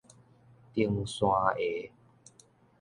登山鞋